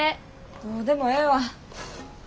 どうでもええわ。